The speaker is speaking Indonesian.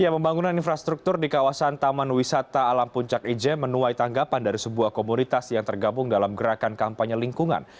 pembangunan infrastruktur di kawasan taman wisata alam puncak ijen menuai tanggapan dari sebuah komunitas yang tergabung dalam gerakan kampanye lingkungan